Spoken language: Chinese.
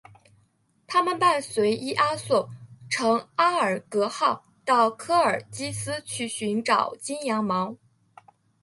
他们伴随伊阿宋乘阿尔戈号到科尔基斯去寻找金羊毛。